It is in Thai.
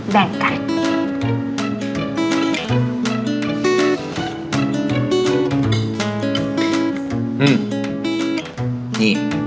แบ่งกัน